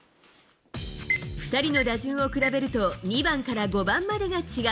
２人の打順を比べると、２番から５番までが違う。